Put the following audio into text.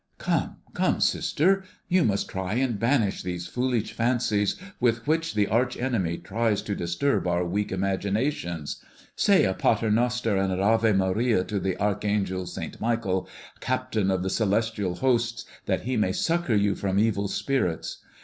"Come, come, sister, you must try and banish these foolish fancies with which the arch enemy tries to disturb our weak imaginations. Say a Pater noster and an Ave Maria to the archangel Saint Michael, captain of the celestial hosts, that he may succor you from evil spirits.